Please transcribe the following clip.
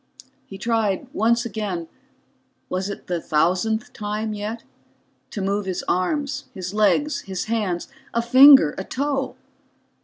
He tried once again was it the thousandth time yet? to move his arms, his legs, his hands, a finger, a toe.